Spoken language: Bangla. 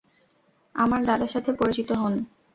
আমার দাদার সাথে পরিচিত হোন।